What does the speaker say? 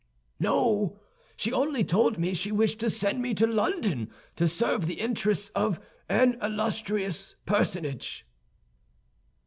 "No; she only told me she wished to send me to London to serve the interests of an illustrious personage."